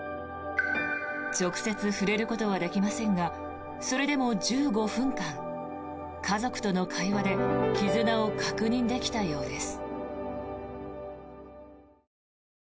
直接触れることはできませんがそれでも１５分間家族との会話で絆を確認できたようです。